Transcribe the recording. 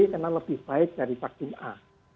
karena lebih baik dari vaksin a